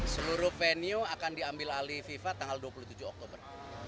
seluruh venue akan diambil alih fifa tanggal dua puluh tujuh oktober